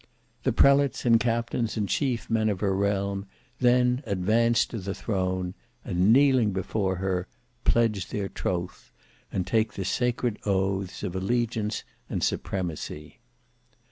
The prelates and captains and chief men of her realm then advance to the throne, and kneeling before her, pledge their troth, and take the sacred oaths of allegiance and supremacy.